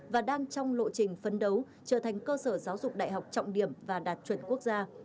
và đang trong lộ trình phấn đấu trở thành cơ sở giáo dục đại học trọng điểm và đạt chuẩn quốc gia